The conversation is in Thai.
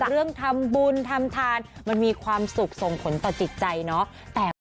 เรื่องทำบุญทำทานมันมีความสุขส่งผลต่อจิตใจเนาะ